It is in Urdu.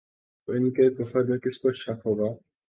تو ان کے کفر میں کس کو شک ہوگا